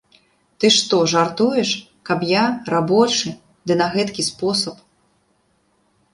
Ты што, жартуеш, каб я, рабочы, ды на гэткі спосаб.